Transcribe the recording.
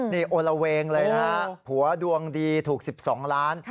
นี่โอละเวงเลยนะฮะผัวดวงดีถูก๑๒ล้าน